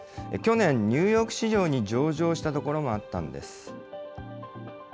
去年、ニューヨーク市場に上場したところもあったんです。